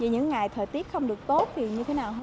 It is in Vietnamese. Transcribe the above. về những ngày thời tiết không được tốt thì như thế nào hả cô